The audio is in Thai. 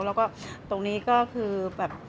แล้วก็ตรงนี้ก็คือแบบ